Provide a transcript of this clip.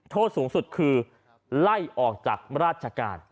โทษสูงสุดคือไล่ออกจากราชการ